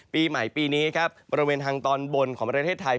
ปีใหม่ปีนี้ครับบริเวณทางตอนบนของประเทศไทย